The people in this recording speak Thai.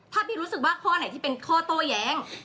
ถ้าพี่รู้สึกว่าข้อไหนที่เป็นข้อโต้แย้ง